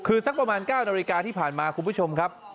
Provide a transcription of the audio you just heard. คือสักประมาณ๙นาฬิกาที่ผ่านมาคุณผู้ชมครับ